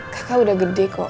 kakak udah gede kok